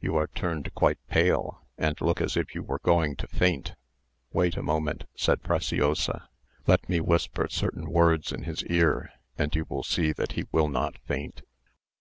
You are turned quite pale, and look as if you were going to faint." "Wait a moment," said Preciosa, "let me whisper certain words in his ear, and you will see that he will not faint."